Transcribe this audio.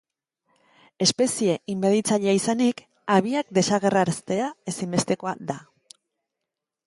Espezie inbaditzailea izanik, habiak desagerraraztea ezinbestekoa da.